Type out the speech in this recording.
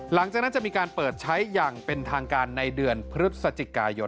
หลังจากนั้นจะมีการเปิดใช้อย่างเป็นทางการในเดือนพฤศจิกายน